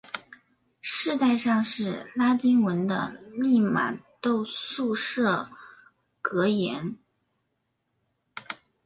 饰带上是拉丁文的利玛窦宿舍格言。